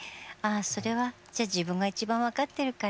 あそれはじゃあ自分が一番分かってるから。